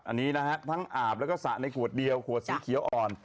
อันนี้นะฮะทั้งอาบแล้วก็สระในขวดเดียวขวดสีเขียวอ่อน